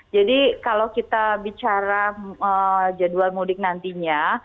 jadi kalau kita bicara jadwal mudik nantinya